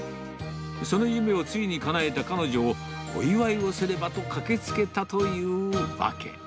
その夢をついにかなえた彼女を、お祝いをせねばと駆けつけたというわけ。